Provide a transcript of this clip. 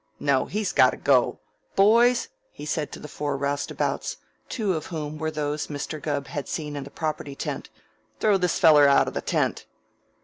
No, he's got to go. Boys," he said to the four roustabouts, two of whom were those Mr. Gubb had seen in the property tent, "throw this feller out of the tent."